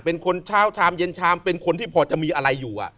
เป็นคนเช้าชามเย็นชามเป็นคนที่พอจะมีอะไรอยู่